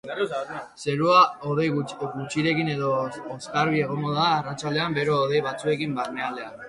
Zerua hodei gutxirekin edo oskarbi egongo da arratsaldean, bero-hodei batzuekin barnealdean.